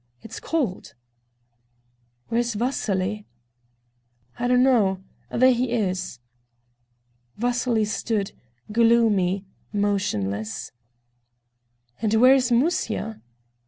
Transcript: It's cold." "Where's Vasily?" "I don't know. There he is." Vasily stood, gloomy, motionless. "And where is Musya?"